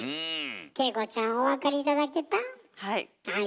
景子ちゃんお分かり頂けた？